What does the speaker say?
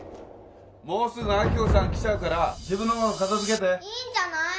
もうすぐ亜希子さん来ちゃうから自分のもの片づけていいんじゃない？